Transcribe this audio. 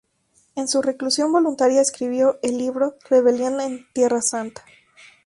En su reclusión voluntaria escribió el libro "Rebelión en Tierra Santa".